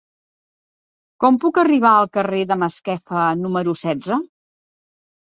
Com puc arribar al carrer de Masquefa número setze?